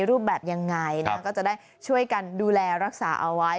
รูปแบบยังไงนะก็จะได้ช่วยกันดูแลรักษาเอาไว้